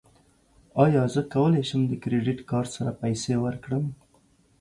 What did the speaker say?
ایا زه کولی شم د کریډیټ کارت سره پیسې ورکړم؟